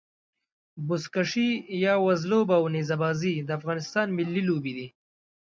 بزکشي يا وزلوبه او نيزه بازي د افغانستان ملي لوبي دي.